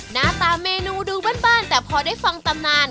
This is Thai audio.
หน้าตาเมนูดูบ้านแต่พอได้ฟังตำนาน